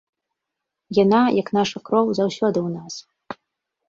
Яна, як наша кроў, заўсёды ў нас.